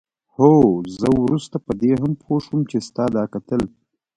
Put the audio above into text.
هو زه وروسته په دې هم پوه شوم چې ستا دا کتل.